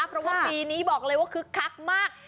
เพราะว่าปีนี้บอกเลยว่าคึกคักมาก